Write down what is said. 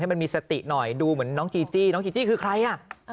มันมีสติหน่อยดูเหมือนน้องจีจี้น้องจีจี้คือใครอ่ะ